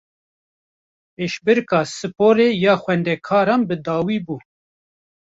Pêşbirka sporê ya xwendekaran bi dawî bû